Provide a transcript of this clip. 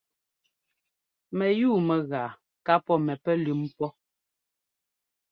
Mɛyúu mɛgaa ká pɔ́ mɛ pɛlʉ́m pɔ́.